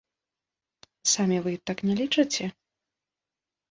Самі вы так не лічыце?